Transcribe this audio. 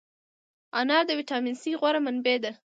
انار د ویټامین C غوره منبع ده.